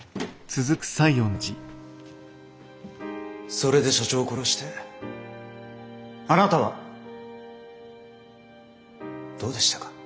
それで社長を殺してあなたはどうでしたか？